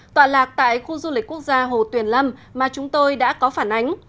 tọa lạc tại khu du lịch quốc gia hồ tuyền lâm mà chúng tôi đã có phản ánh